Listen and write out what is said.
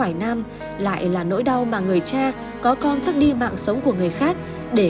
cái này là nó dịch bây giờ